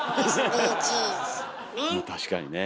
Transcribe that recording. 確かにね。